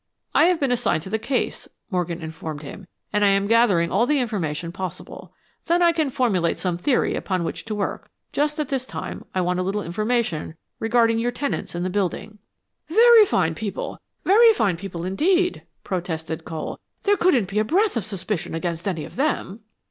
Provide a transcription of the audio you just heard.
"I have been assigned to the case," Morgan informed him, "and I am gathering all the information possible. Then I can formulate some theory upon which to work. Just at this time I want a little information regarding your tenants in the building." "Very fine people very fine people, indeed," protested Cole. "There couldn't be a breath of suspicion against any of them."